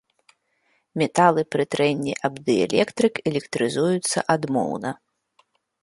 Металы пры трэнні аб дыэлектрык электрызуюцца адмоўна.